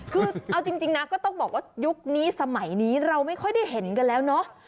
คือเอาจริงนะก็ต้องบอกว่ายุคนี้สมัยนี้เราไม่ค่อยได้เห็นกันแล้วเนาะ